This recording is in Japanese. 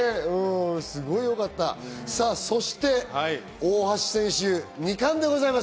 すごいよかった、そして大橋選手、２冠でございます。